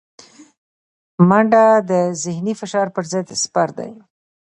منډه د ذهني فشار پر ضد سپر دی